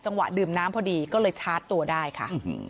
ดื่มน้ำพอดีก็เลยชาร์จตัวได้ค่ะ